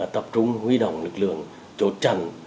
tập trung huy động lực lượng chốt trần